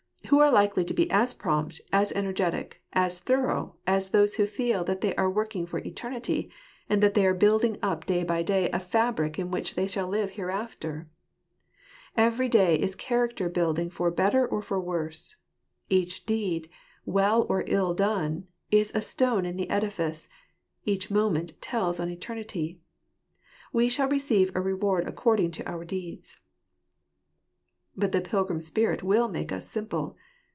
Who are likely to be as prompt, as energetic, as thorough, as those who feel that they are working for eternity, and that they are building up day by day a fabric in which they shall live hereafter ? Each day is character building for better or for worse : each deed, well or ill done, is a stone in the edifice ; each moment tells on eternity. We shall receive a reward according to our deeds. But the pilgrim spirit will make us simple.